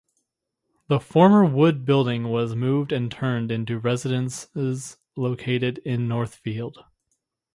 The former wood building was moved and turned into residences located in Northfield.